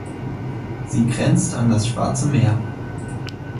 Sie grenzt an das Schwarze Meer.